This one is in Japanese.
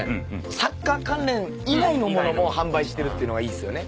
サッカー関連以外の物も販売してるっていうのがいいっすよね。